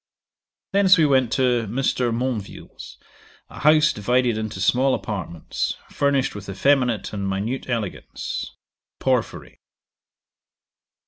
'Thence we went to Mr. Monville's, a house divided into small apartments, furnished with effeminate and minute elegance. Porphyry.